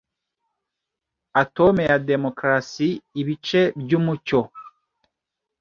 Atome ya Demokarasi Ibice byUmucyo